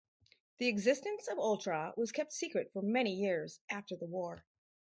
The existence of Ultra was kept secret for many years after the war.